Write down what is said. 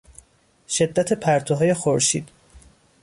شدت پرتوهای خورشید